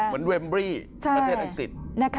เหมือนเวมบรีประเทศอักติด